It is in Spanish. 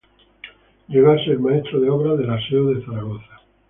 Llegó a ser maestro de obras de La Seo de Zaragoza.